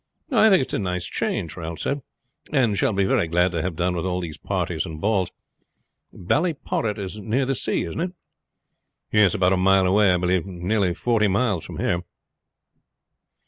"I think it is a nice change," Ralph said, "and shall be very glad to have done with all these parties and balls. Ballyporrit is near the sea, isn't it?" "Yes. About a mile away, I believe. Nearly forty miles from here."